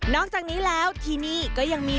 อกจากนี้แล้วที่นี่ก็ยังมี